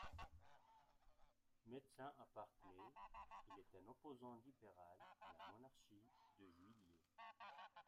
Médecin à Parthenay, il est un opposant libéral à la Monarchie de Juillet.